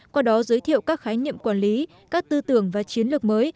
qua đó giới thiệu các khái niệm quản lý các tư tưởng và chiến lược mới